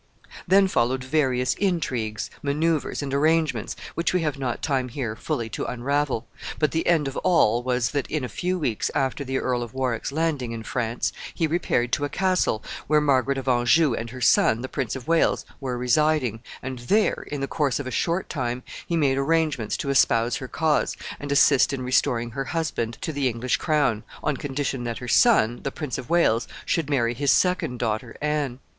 Then followed various intrigues, manoeuvres, and arrangements, which we have not time here fully to unravel; but the end of all was, that in a few weeks after the Earl of Warwick's landing in France, he repaired to a castle where Margaret of Anjou and her son, the Prince of Wales, were residing, and there, in the course of a short time, he made arrangements to espouse her cause, and assist in restoring her husband to the English throne, on condition that her son, the Prince of Wales, should marry his second daughter Anne.